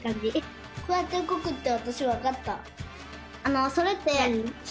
こうやってうごくってわたしわかった。